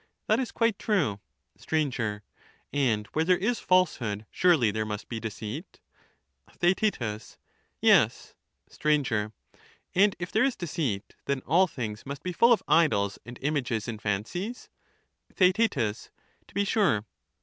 That is quite true. Sir, And where there is falsehood surely there must be deceit. Theaet, Yes. We left Sir, And if there is deceit, then all things must be full of i^^the^^*^^' idols and images and fancies, region of Theaet To be sure.